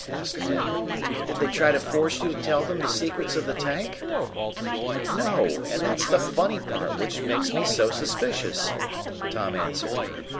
asked Ned. "Did they try to force you to tell them the secrets of the tank?" "No; and that's the funny part which makes me so suspicious," Tom answered.